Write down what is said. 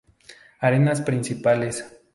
Arenas principales